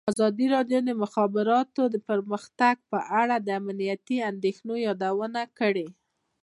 ازادي راډیو د د مخابراتو پرمختګ په اړه د امنیتي اندېښنو یادونه کړې.